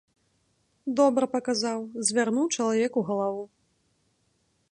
Добра паказаў, звярнуў чалавеку галаву.